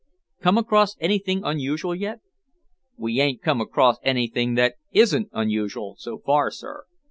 "Come across anything unusual yet?" "We ain't come across anything that isn't unusual so far, sir.